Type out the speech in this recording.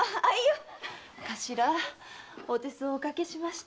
頭お手数をおかけしました。